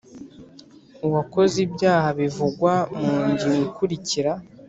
Uwakoze ibyaha bivugwa mu ngingo ikurikira